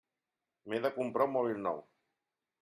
M'he de comprar un mòbil nou.